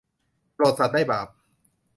โปรดสัตว์ได้บาป